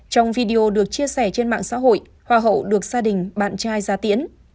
trong video được chia sẻ trên mạng xã hội hoa hậu được gia đình bạn trai ra tiễn